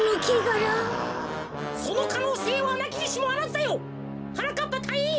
そのかのうせいはなきにしもあらずだよ！はなかっぱたいいん！